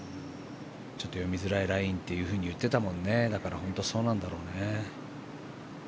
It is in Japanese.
ちょっと読みづらいラインと言ってたもんねだから、本当にそうなんだろうね。